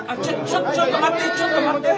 ちょっちょっと待ってちょっと待って。